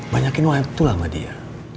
banyakin waktu lah sama dia